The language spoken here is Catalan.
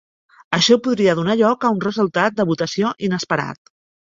Això podria donar lloc a un resultat de votació inesperat.